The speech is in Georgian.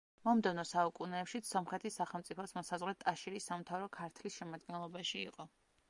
მომდევნო საუკუნეებშიც სომხეთის სახელმწიფოს მოსაზღვრე ტაშირი სამთავრო ქართლის შემადგენლობაში იყო.